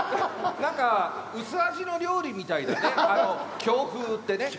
何か薄味の料理みたいだね強風ってね。